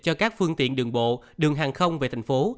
cho các phương tiện đường bộ đường hàng không về thành phố